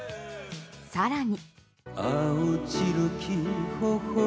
更に。